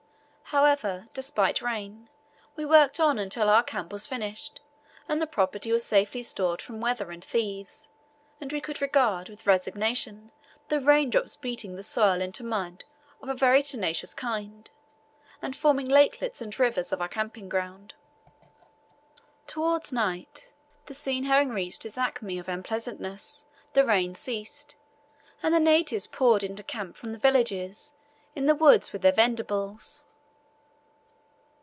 However, despite rain, we worked on until our camp was finished and the property was safely stored from weather and thieves, and we could regard with resignation the raindrops beating the soil into mud of a very tenacious kind, and forming lakelets and rivers of our camp ground. Towards night, the scene having reached its acme of unpleasantness, the rain ceased, and the natives poured into camp from the villages in the woods with their vendibles.